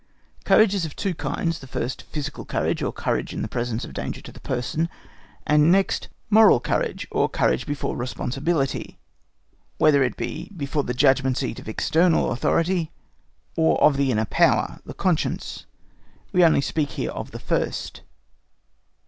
Courage is of two kinds: first, physical courage, or courage in presence of danger to the person; and next, moral courage, or courage before responsibility, whether it be before the judgment seat of external authority, or of the inner power, the conscience. We only speak here of the first.